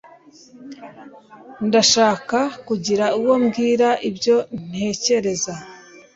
Ndashaka kugira uwo mbwira ibyo ntekereza